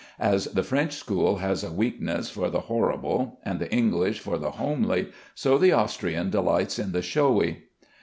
As the French school has a weakness for the horrible, and the English for the homely, so the Austrian delights in the showy.